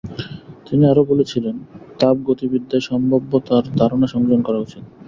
তিনি আরও বলেছিলেন, তাপগতিবিদ্যায় সম্ভাব্যতার ধারণা সংযোজন করা উচিত।